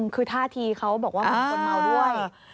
คือท่าทีเขาบอกว่าเหมือนคนเมาด้วย